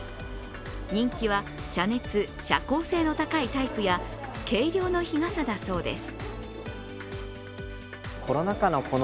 人気は遮熱、遮光性の高いタイプや軽量の日傘だそうです。